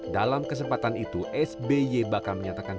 dalam kesempatan itu sby bakal menyatakan